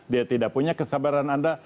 dia tidak punya kesabaran anda